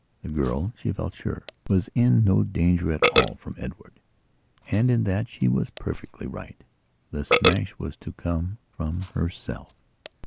The girl, she felt sure, was in no danger at all from Edward. And in that she was perfectly right. The smash was to come from herself.